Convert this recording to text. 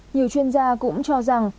nhiều chuyên gia cũng cho rằng